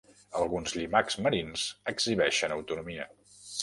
Alguns llimacs marins exhibeixen autotomia.